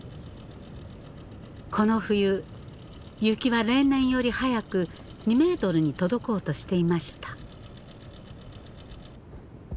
この冬雪は例年より早く２ｍに届こうとしていました。